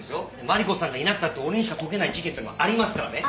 マリコさんがいなくたって俺にしか解けない事件っていうのもありますからね。